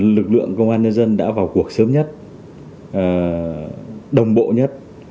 lực lượng công an nhân dân đã vào cuộc sớm nhất đồng bộ nhất